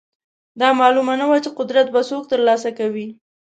دا معلومه نه وه چې قدرت به څوک ترلاسه کوي.